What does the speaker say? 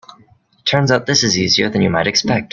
It turns out this is easier than you might expect.